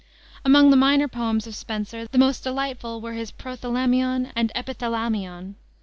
Among the minor poems of Spenser the most delightful were his Prothalamion and Epithalamion.